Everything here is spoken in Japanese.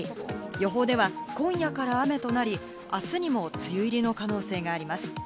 予報では今夜から雨となり、あすにも梅雨入りの可能性があります。